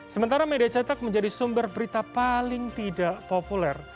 sementara media cetak menjadi sumber berita paling tidak populer